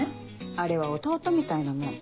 あれは弟みたいなもん。